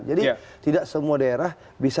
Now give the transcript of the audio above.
jadi tidak semua daerah